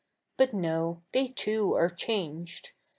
But no ; they too are cha7iged.